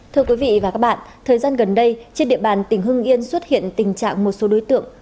thưa quý vị và các bạn thời gian gần đây trên địa bàn tỉnh hưng yên xuất hiện tình trạng một số đối tượng